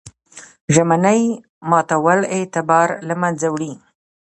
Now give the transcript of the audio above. ژمنې ماتول اعتبار له منځه وړي.